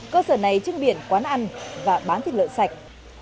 cơ sở này trưng biển quán ăn và bán thịt lợn sạch